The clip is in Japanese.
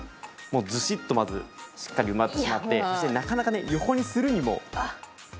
もうずしっとまずしっかり埋まってしまってそしてなかなかね横にするにもどうですか？